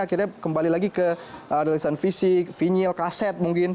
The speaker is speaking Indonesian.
akhirnya kembali lagi ke kerelisan fisik vinil kaset mungkin